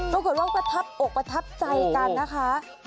ปรากฏว่าประทับอกประทับใจกันนะคะ